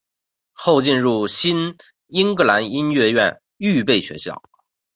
后进入新英格兰音乐院预备学校。